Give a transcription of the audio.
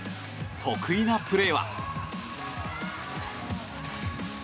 得意なプレーは。